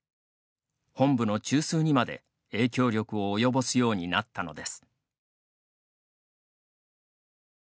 本部の中枢にまで影響力を及ぼすようになったのです。